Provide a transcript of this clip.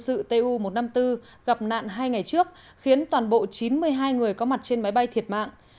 hộp đen của máy bay tu một trăm năm mươi bốn gặp nạn hai ngày trước khiến toàn bộ chín mươi hai người có mặt trên máy bay thiệt mạng